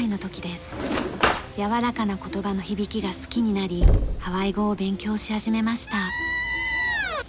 柔らかな言葉の響きが好きになりハワイ語を勉強し始めました。